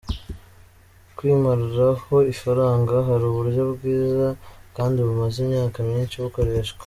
kwimaraho ifaranga, hari uburyo bwiza kandi bumaze imyaka myinshi bukoreshwa.